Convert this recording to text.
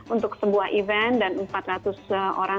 untuk sebuah event dan empat ratus orang